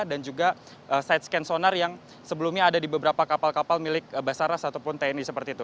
dan juga side scan sonar yang sebelumnya ada di beberapa kapal kapal milik basaras ataupun tni seperti itu